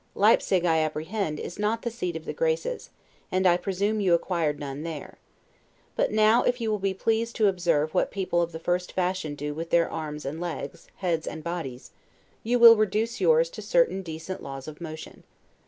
Leipsig, I apprehend, is not the seat of the Graces; and I presume you acquired none there. But now, if you will be pleased to observe what people of the first fashion do with their legs and arms, heads and bodies, you will reduce yours to certain decent laws of motion.